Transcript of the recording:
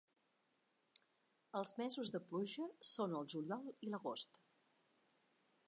Els mesos de pluja són el juliol i l'agost.